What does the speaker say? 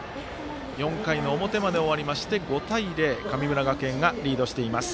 ４回の表まで終わりまして５対０、神村学園がリードしています。